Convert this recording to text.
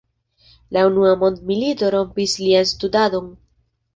La unua mondmilito rompis lian studadon.